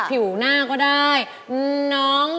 ผิวหน้าก็ได้น้อง